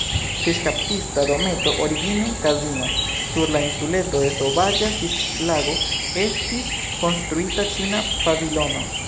Fiŝkaptista Dometo, origine kazino; sur la insuleto de Sovaĝa Fiŝlago estis konstruita Ĉina Pavilono.